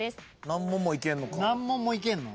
難問もいけんの？